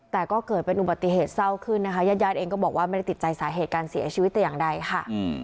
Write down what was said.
แต่ก็เกิดเป็นอุบัติเหตุเศร้าขึ้นนะคะญาติญาติเองก็บอกว่าไม่ได้ติดใจสาเหตุการเสียชีวิตแต่อย่างใดค่ะ